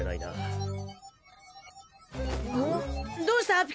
どうした？